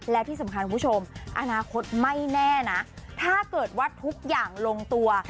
และที่สำคัญคุณผู้ชมอนาคตไม่แน่นะถ้าเกิดว่าทุกอย่างลงตัว